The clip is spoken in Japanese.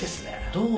どう？